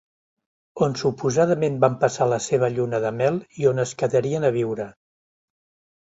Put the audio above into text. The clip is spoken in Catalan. On suposadament van passar la seva lluna de mel i on es quedarien a viure.